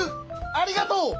ありがとう！